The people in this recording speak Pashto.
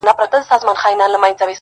• شپه چي تياره سي ،رڼا خوره سي.